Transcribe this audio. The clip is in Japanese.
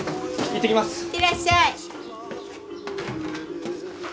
いってらっしゃい。